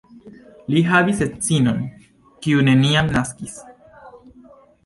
Li havis edzinon, kiu neniam naskis.